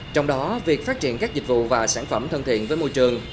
trong đó việc phát triển các dịch vụ và sản phẩm thân thiện với môi trường